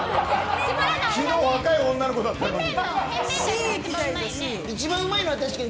昨日は若い女の子だったのに。